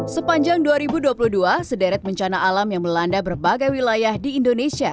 sepanjang dua ribu dua puluh dua sederet bencana alam yang melanda berbagai wilayah di indonesia